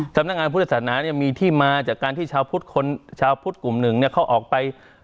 สำนักงานพุทธศาสนามีที่มาจากการที่ชาวพุทธกลุ่มหนึ่งเขาออกไป